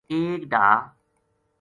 ایک ڈھا